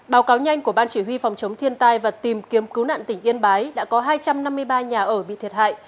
báo cáo nhanh của ban chỉ huy phòng chống thiên tai và tìm kiếm cứu nạn tỉnh yên bái đã có hai trăm năm mươi ba nhà ở bị thiệt hại